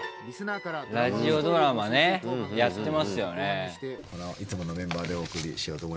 ラジオドラマねやってますよね。